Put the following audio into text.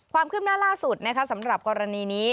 ความคืบหน้าล่าสุดสำหรับกรณีนี้